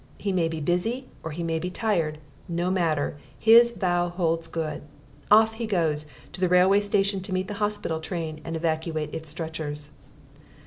He may be busy or he may be tired; no matter: his vow holds good. Off he goes, to the railway station to meet the hospital train and evacuate its stretchers.